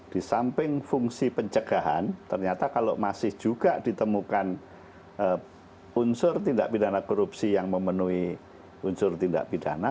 di samping fungsi pencegahan ternyata kalau masih juga ditemukan unsur tindak pidana korupsi yang memenuhi unsur tindak pidana